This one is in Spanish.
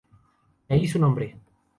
De ahí su nombre.